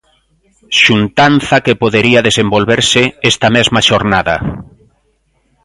Xuntanza que podería desenvolverse esta mesma xornada.